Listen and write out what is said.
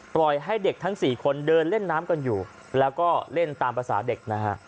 ปล่อยให้เด็กทั้ง๔คนเดินเล่นน้ำกันอยู่แล้วก็เล่นตามภาษาเด็กนะฮะ